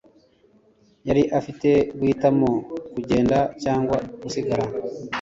Yari afite guhitamo kugenda cyangwa gusigara.